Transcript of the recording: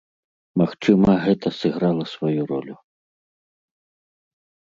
Магчыма, гэта сыграла сваю ролю.